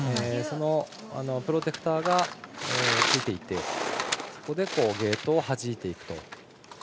そのプロテクターがついていてそこでゲートをはじいていくと。